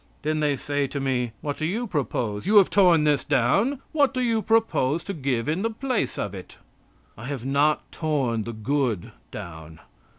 Then they say to me: "What do you propose? You have torn this down; what do you propose to give in the place of it?" I have not torn the good down.